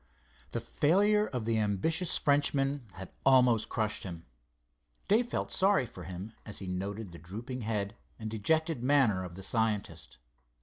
The failure of the ambitious Frenchman had almost crushed him. Dave felt sorry for him as he noted the drooping head and dejected manner of the scientist.